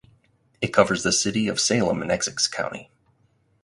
It covers the city of Salem in Essex County.